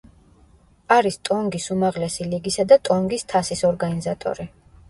არის ტონგის უმაღლესი ლიგისა და ტონგის თასის ორგანიზატორი.